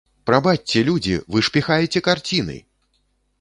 Прабачце, людзі, вы ж піхаеце карціны!